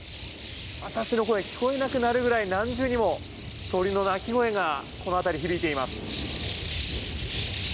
私の声聞こえなくなるぐらい何重にも鳥の鳴き声がこの辺り響いてます。